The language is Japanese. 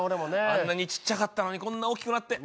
あんなにちっちゃかったのにこんな大きくなって。